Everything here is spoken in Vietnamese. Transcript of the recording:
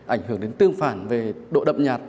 ảnh hưởng đến tương phản về độ đậm nhạt